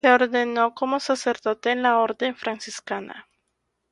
Se ordenó como sacerdote en la Orden Franciscana.